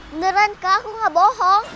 beneran kak aku gak bohong